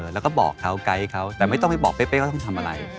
แล้วก็บอกเขาไกด์เขาแต่ไม่ต้องไปบอกเป้เขาต้องทำอะไร